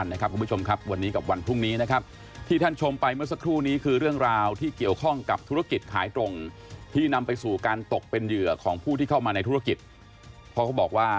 ตัวแทนไม่ดีเนี่ยผมรู้ว่าไม่ดีผมตัดแน่นอนครับ